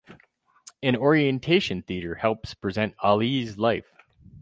An orientation theater helps present Ali's life.